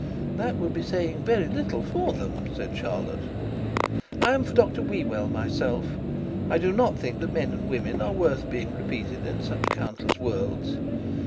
'That would be saying very little for them,' said Charlotte. 'I am for Dr Whewell myself; for I do not think that men and woman are worth being repeated in such countless worlds.